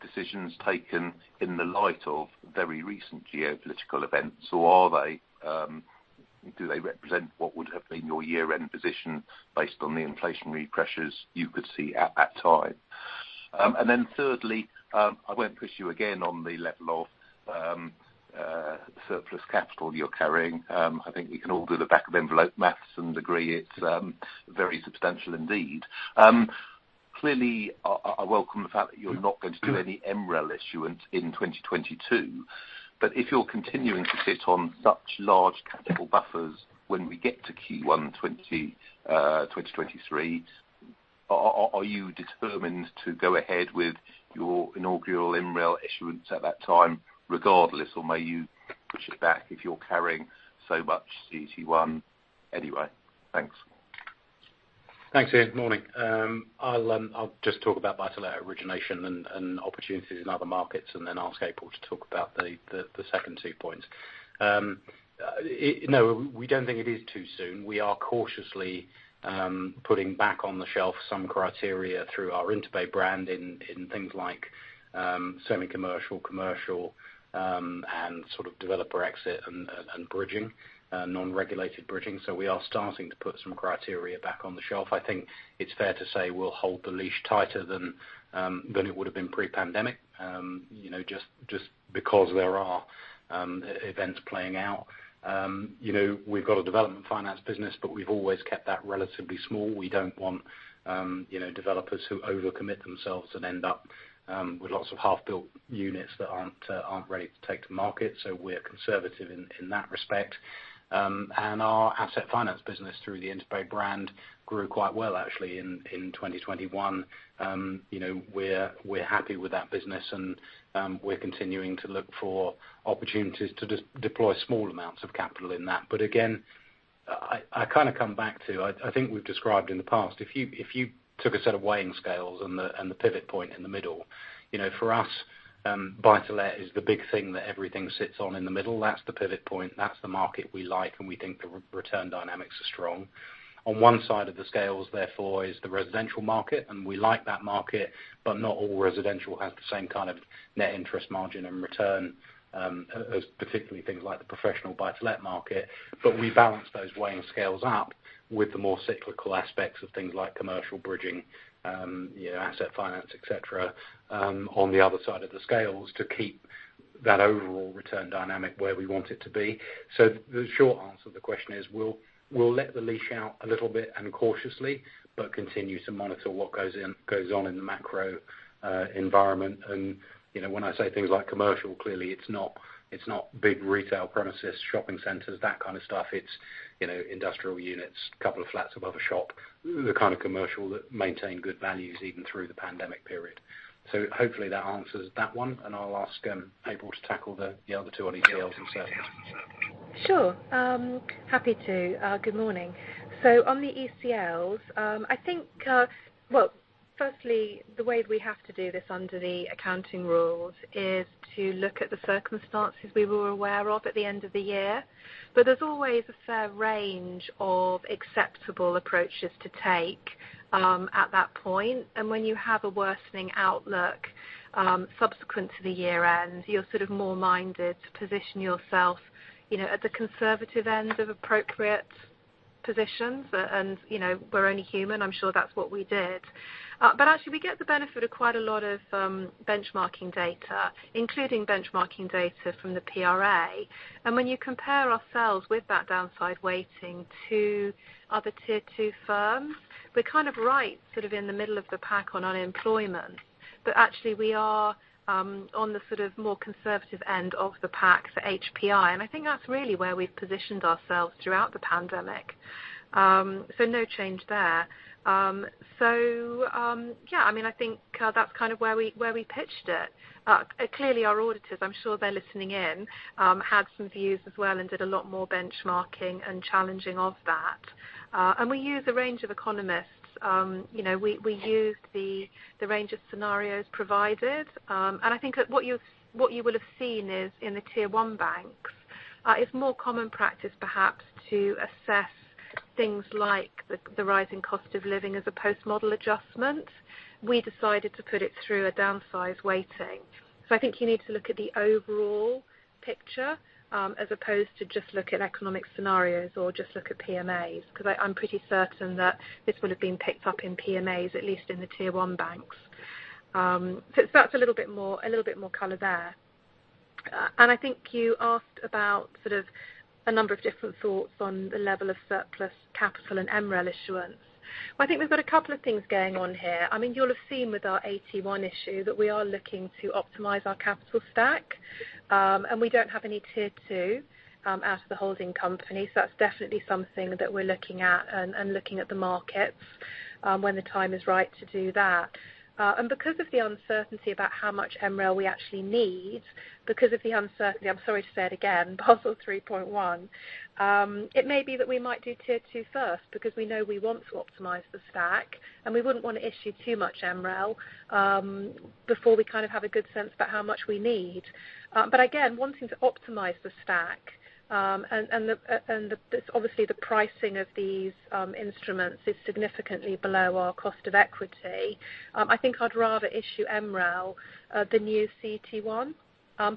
Speaker 8: decisions taken in the light of very recent geopolitical events? Or do they represent what would have been your year-end position based on the inflationary pressures you could see at that time? Thirdly, I won't push you again on the level of surplus capital you're carrying. I think we can all do the back-of-the-envelope math and agree it's very substantial indeed. Clearly, I welcome the fact that you're not going to do any MREL issuance in 2022, but if you're continuing to sit on such large capital buffers when we get to Q1 2023, are you determined to go ahead with your inaugural MREL issuance at that time regardless? Or may you push it back if you're carrying so much CET1 anyway? Thanks.
Speaker 1: Thanks, Ian. Morning. I'll just talk about buy-to-let origination and opportunities in other markets, and then ask April to talk about the second two points. No, we don't think it is too soon. We are cautiously putting back on the shelf some criteria through our InterBay brand in things like semi commercial, and sort of developer exit and bridging, non-regulated bridging. So we are starting to put some criteria back on the shelf. I think it's fair to say we'll hold the leash tighter than it would've been pre-pandemic. You know, just because there are events playing out. You know, we've got a development finance business, but we've always kept that relatively small. We don't want, you know, developers who overcommit themselves and end up with lots of half-built units that aren't ready to take to market. We're conservative in that respect. Our asset finance business through the InterBay brand grew quite well actually in 2021. You know, we're happy with that business and we're continuing to look for opportunities to redeploy small amounts of capital in that. Again, I kind of come back to, I think we've described in the past, if you took a set of weighing scales and the pivot point in the middle, you know, for us, buy-to-let is the big thing that everything sits on in the middle. That's the pivot point. That's the market we like, and we think the return dynamics are strong. On one side of the scales therefore is the residential market, and we like that market, but not all residential has the same kind of net interest margin and return, as particularly things like the professional buy-to-let market. We balance those weighing scales up with the more cyclical aspects of things like commercial bridging, you know, asset finance, et cetera, on the other side of the scales to keep that overall return dynamic where we want it to be. The short answer to the question is we'll let the leash out a little bit and cautiously, but continue to monitor what goes on in the macro environment. You know, when I say things like commercial, clearly it's not big retail premises, shopping centers, that kind of stuff. It's, you know, industrial units, couple of flats above a shop. The kind of commercial that maintain good values even through the pandemic period. Hopefully that answers that one, and I'll ask April to tackle the other two on ECLs and so on.
Speaker 2: Sure, happy to. Good morning. On the ECLs, I think, well firstly, the way we have to do this under the accounting rules is to look at the circumstances we were aware of at the end of the year. There's always a fair range of acceptable approaches to take, at that point. When you have a worsening outlook, subsequent to the year end, you're sort of more minded to position yourself, you know, at the conservative end of appropriate positions. You know, we're only human, I'm sure that's what we did. Actually we get the benefit of quite a lot of, benchmarking data, including benchmarking data from the PRA. When you compare ourselves with that downside weighting to other Tier 2 firms, we're kind of right sort of in the middle of the pack on unemployment. Actually we are on the sort of more conservative end of the pack for HPI, and I think that's really where we've positioned ourselves throughout the pandemic. No change there. Yeah, I mean, I think that's kind of where we pitched it. Clearly our auditors, I'm sure they're listening in, had some views as well and did a lot more benchmarking and challenging of that. We use a range of economists. You know, we use the range of scenarios provided. I think that what you will have seen is in the Tier 1 banks is more common practice perhaps to assess things like the rising cost of living as a post-model adjustment. We decided to put it through a downside weighting. I think you need to look at the overall picture, as opposed to just look at economic scenarios or just look at PMAs, 'cause I'm pretty certain that this would have been picked up in PMAs, at least in the Tier 1 banks. It's perhaps a little bit more color there. I think you asked about sort of a number of different thoughts on the level of surplus capital and MREL issuance. Well, I think we've got a couple of things going on here. I mean, you'll have seen with our AT1 issue that we are looking to optimize our capital stack, and we don't have any Tier 2 out of the holding company. That's definitely something that we're looking at and looking at the markets when the time is right to do that. Because of the uncertainty about how much MREL we actually need, because of the uncertainty (audio distortion) Basel 3.1, it may be that we might do Tier 2 first because we know we want to optimize the stack, and we wouldn't wanna issue too much MREL before we kind of have a good sense about how much we need. Again, wanting to optimize the stack and the pricing of these instruments is significantly below our cost of equity. I think I'd rather issue MREL, the new CET1.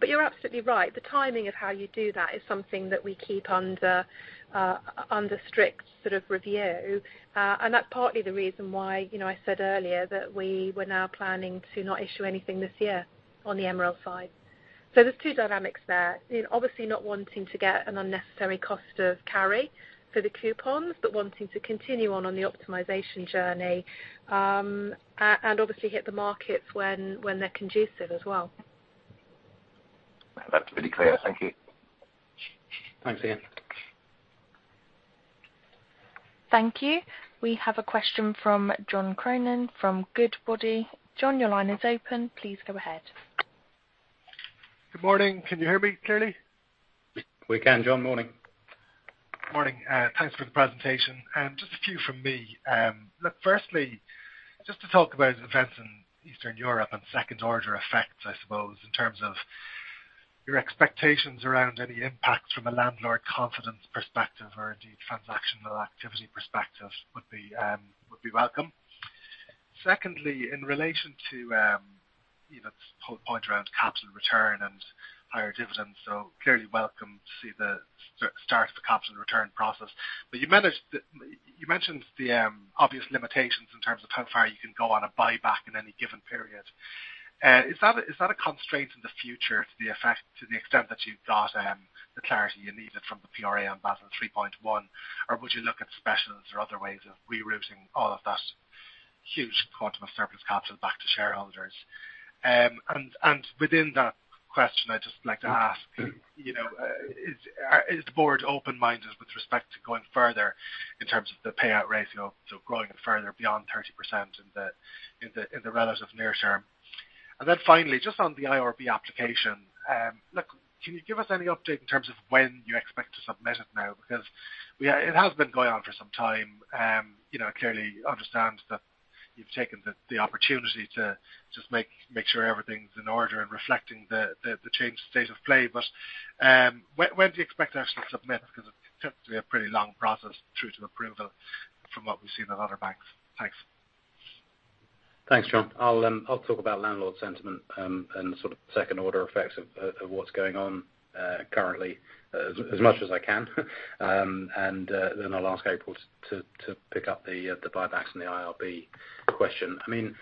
Speaker 2: You're absolutely right. The timing of how you do that is something that we keep under strict sort of review. That's partly the reason why, you know, I said earlier that we were now planning to not issue anything this year on the MREL side. There's two dynamics there. You know, obviously not wanting to get an unnecessary cost of carry for the coupons, but wanting to continue on the optimization journey and obviously hit the markets when they're conducive as well.
Speaker 8: That's really clear. Thank you.
Speaker 1: Thanks, Ian.
Speaker 3: Thank you. We have a question from John Cronin from Goodbody. John, your line is open. Please go ahead.
Speaker 9: Good morning. Can you hear me clearly?
Speaker 1: We can, John. Morning.
Speaker 9: Morning. Thanks for the presentation. Just a few from me. Look, firstly, just to talk about events in Eastern Europe and second order effects, I suppose, in terms of your expectations around any impact from a landlord confidence perspective or indeed transactional activity perspective would be welcome. Secondly, in relation to, you know, the whole point around capital return and higher dividends, so clearly welcome to see the start of the capital return process. But you mentioned the obvious limitations in terms of how far you can go on a buyback in any given period. Is that a constraint in the future to the effect, to the extent that you've got the clarity you needed from the PRA on Basel 3.1? Would you look at specials or other ways of rerouting all of that huge quantum of surplus capital back to shareholders? And within that question, I'd just like to ask, you know, is the board open-minded with respect to going further in terms of the payout ratio, so growing it further beyond 30% in the relatively near term? Then finally, just on the IRB application, look, can you give us any update in terms of when you expect to submit it now? Because it has been going on for some time. I clearly understand that you've taken the opportunity to just make sure everything's in order and reflecting the changed state of play. When do you expect to actually submit? Because it's typically a pretty long process through to approval from what we've seen in other banks. Thanks.
Speaker 1: Thanks, John. I'll talk about landlord sentiment, and the sort of second order effects of what's going on currently as much as I can. I'll ask April to pick up the buybacks and the IRB question. I mean,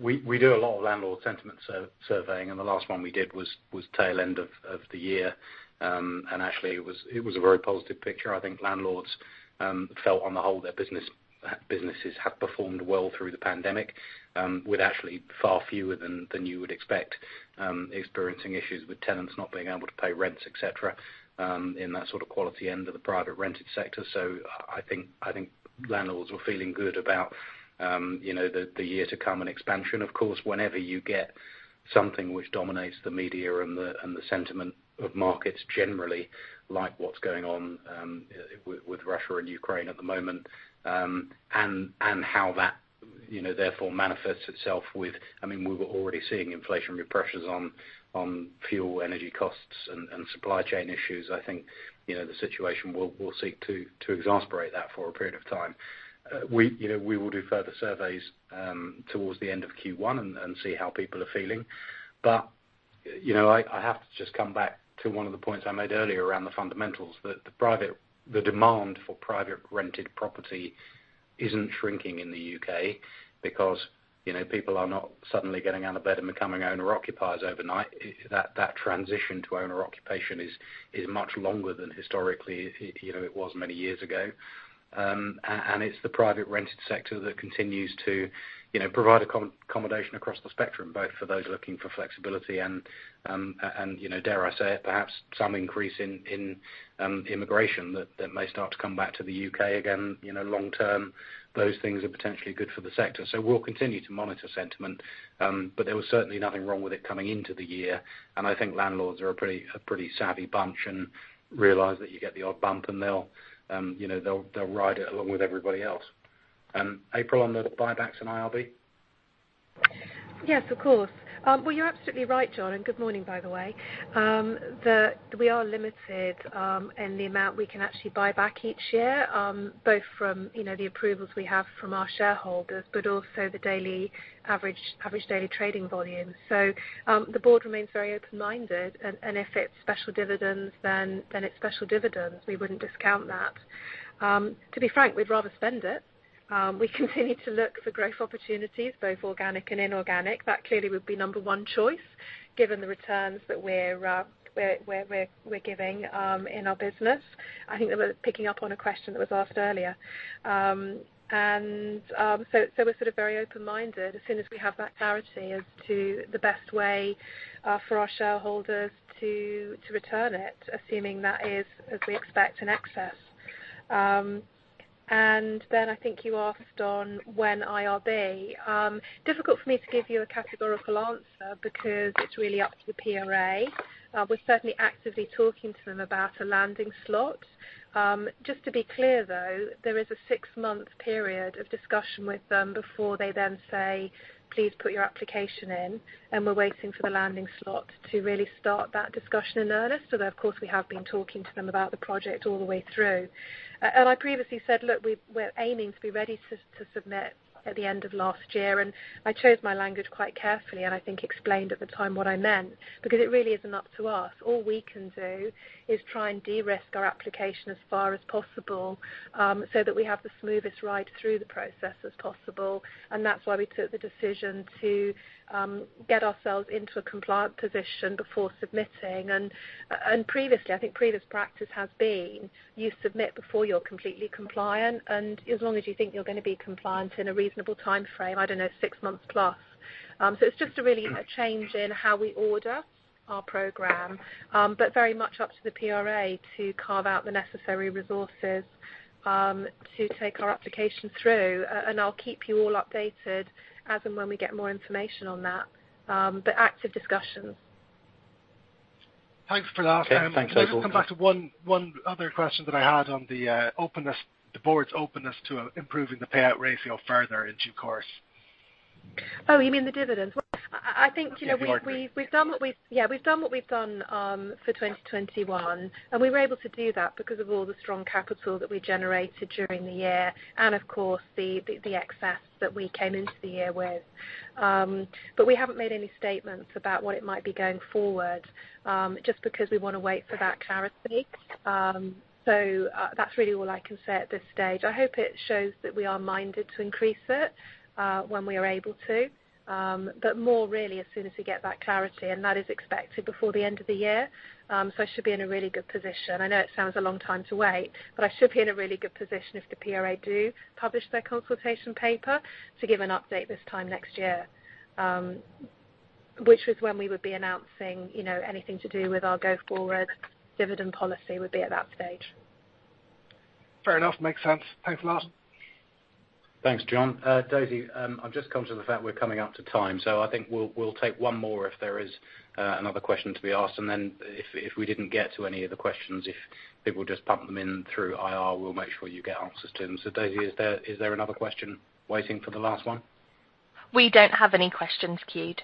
Speaker 1: we do a lot of landlord sentiment surveying, and the last one we did was tail end of the year. Actually it was a very positive picture. I think landlords felt on the whole their businesses have performed well through the pandemic, with actually far fewer than you would expect experiencing issues with tenants not being able to pay rents, et cetera, in that sort of quality end of the private rented sector. I think landlords were feeling good about you know the year to come and expansion. Of course, whenever you get something which dominates the media and the sentiment of markets generally, like what's going on with Russia and Ukraine at the moment, and how that you know therefore manifests itself with. I mean, we were already seeing inflationary pressures on fuel, energy costs and supply chain issues. I think you know the situation will seek to exacerbate that for a period of time. You know we will do further surveys towards the end of Q1 and see how people are feeling. you know, I have to just come back to one of the points I made earlier around the fundamentals, that the private, the demand for private rented property isn't shrinking in the U.K. because, you know, people are not suddenly getting out of bed and becoming owner-occupiers overnight. that transition to owner occupation is much longer than historically, you know, it was many years ago. and it's the private rented sector that continues to, you know, provide accommodation across the spectrum, both for those looking for flexibility and, you know, dare I say it, perhaps some increase in immigration that may start to come back to the U.K. again, you know, long term. Those things are potentially good for the sector. We'll continue to monitor sentiment. There was certainly nothing wrong with it coming into the year, and I think landlords are a pretty savvy bunch and realize that you get the odd bump and they'll, you know, ride it along with everybody else. April, on the buybacks and IRB?
Speaker 2: Yes, of course. Well, you're absolutely right, John, and good morning, by the way. We are limited in the amount we can actually buy back each year, both from, you know, the approvals we have from our shareholders, but also the daily average daily trading volume. The board remains very open-minded, and if it's special dividends, then it's special dividends. We wouldn't discount that. To be frank, we'd rather spend it. We continue to look for growth opportunities, both organic and inorganic. That clearly would be number one choice given the returns that we're giving in our business. I think that we're picking up on a question that was asked earlier. We're sort of very open-minded as soon as we have that clarity as to the best way for our shareholders to return it, assuming that is, as we expect, in excess. I think you asked on when IRB. Difficult for me to give you a categorical answer because it's really up to the PRA. We're certainly actively talking to them about a landing slot. Just to be clear, though, there is a six-month period of discussion with them before they then say, "Please put your application in," and we're waiting for the landing slot to really start that discussion in earnest. Although, of course, we have been talking to them about the project all the way through. I previously said, look, we're aiming to be ready to submit at the end of last year. I chose my language quite carefully, and I think explained at the time what I meant because it really isn't up to us. All we can do is try and de-risk our application as far as possible, so that we have the smoothest ride through the process as possible. That's why we took the decision to get ourselves into a compliant position before submitting. Previously, I think previous practice has been you submit before you're completely compliant, and as long as you think you're gonna be compliant in a reasonable timeframe, I don't know, 6 months+. It's just really a change in how we order our program, but very much up to the PRA to carve out the necessary resources to take our application through. I'll keep you all updated as and when we get more information on that. Active discussions.
Speaker 9: Thanks for that.
Speaker 1: Yeah. Thanks, April.
Speaker 9: Maybe we'll come back to one other question that I had on the board's openness to improving the payout ratio further in due course.
Speaker 2: Oh, you mean the dividends? Well, I think, you know.
Speaker 9: (audio distortion)
Speaker 2: We've done what we've done for 2021, and we were able to do that because of all the strong capital that we generated during the year and of course the excess that we came into the year with. We haven't made any statements about what it might be going forward, just because we wanna wait for that clarity. That's really all I can say at this stage. I hope it shows that we are minded to increase it when we are able to. More really as soon as we get that clarity, and that is expected before the end of the year. It should be in a really good position. I know it sounds a long time to wait, but I should be in a really good position if the PRA do publish their consultation paper to give an update this time next year. Which is when we would be announcing, you know, anything to do with our go-forward dividend policy would be at that stage.
Speaker 9: Fair enough. Makes sense. Thanks a lot.
Speaker 1: Thanks, John. Daisy, I've just come to the fact we're coming up to time, so I think we'll take one more if there is another question to be asked. Then if we didn't get to any of the questions, if people just pump them in through IR, we'll make sure you get answers to them. Daisy, is there another question waiting for the last one?
Speaker 3: We don't have any questions queued.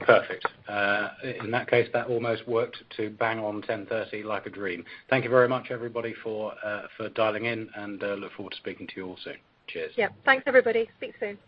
Speaker 1: Perfect. In that case, that almost worked to bang on 10:30 like a dream. Thank you very much, everybody, for dialing in, and look forward to speaking to you all soon. Cheers.
Speaker 2: Yep. Thanks, everybody. Speak soon.